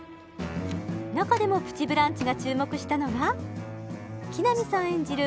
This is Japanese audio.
中でも「プチブランチ」が注目したのが木南さん演じる